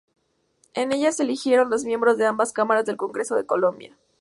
En ellas se eligieron los miembros de ambas cámaras del Congreso de Colombia.